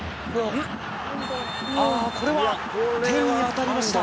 これは、手に当たりました。